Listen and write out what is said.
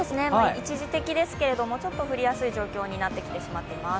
一時的ですけれども、ちょっと降りやすい状況になっています。